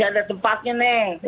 iya harus ada tempatnya nih